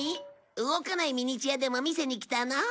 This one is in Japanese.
動かないミニチュアでも見せに来たの？